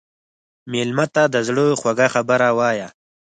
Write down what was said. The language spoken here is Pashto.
مېلمه ته د زړه خوږه خبره وایه.